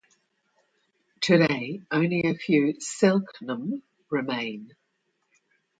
Today, only a few Selk'nam remain.